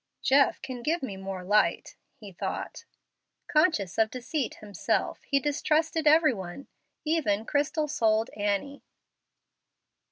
"Jeff can give me more light," he thought. Conscious of deceit himself, he distrusted every one, even crystal souled Annie.